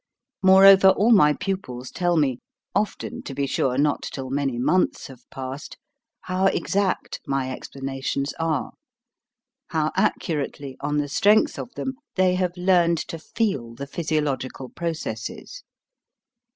Moreover, all my pupils tell me often, to be sure, not till many months have passed how exact my explanations are ; how accurately, on the strength of them, they have learned to feel the physiological processes.